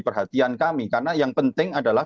perhatian kami karena yang penting adalah